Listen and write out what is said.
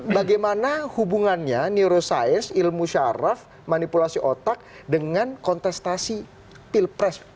bagaimana hubungannya neuroscience ilmu syaraf manipulasi otak dengan kontestasi pilpres